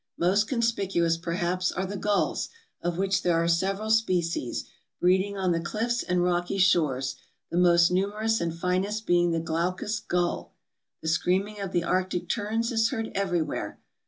Most conspicuous, perhaps, are the gulls, of which there are several species, breeding on the cliffs and rocky shores, the most nu merous and finest being the glaucous gull. The screaming of the arctic terns is heard everywhere.